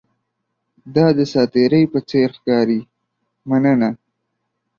دا د ساتیرۍ په څیر ښکاري، مننه!